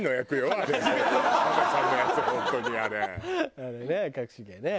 あれね『かくし芸』ね。